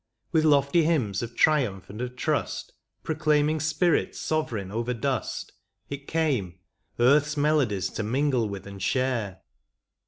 With lofty hymns of triumph and of trust, Proclaiming spirit sovereign over dust. It came, earth's melodies to mingle with and share.